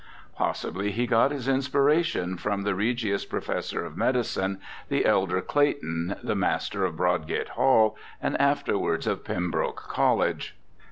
Possibly he got his inspiration from the Regius Professor of Medicine, the elder Clayton, the Master of Broadgate Hall and afterwards of Pembroke College.